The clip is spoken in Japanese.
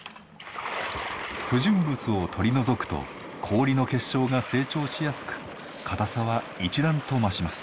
不純物を取り除くと氷の結晶が成長しやすく硬さは一段と増します。